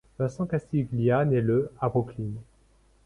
Vincent Castiglia naît le à Brooklyn.